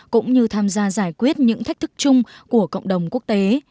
cũng như tham gia giải quyết những thách thức chung của cộng đồng quốc tế